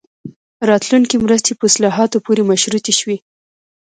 راتلونکې مرستې په اصلاحاتو پورې مشروطې شوې.